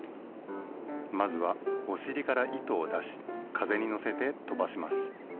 まずはおしりから糸をだしかぜにのせてとばします。